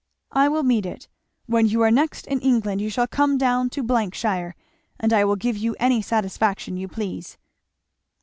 "I will meet it. When you are next in England you shall come down to shire, and I will give you any satisfaction you please."